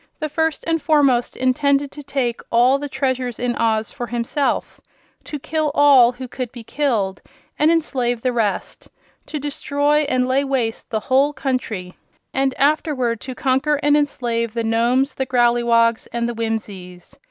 The First and Foremost intended to take all the treasures of Oz for himself; to kill all who could be killed and enslave the rest; to destroy and lay waste the whole country, and afterward to conquer and enslave the Nomes, the Growleywogs and the Whimsies.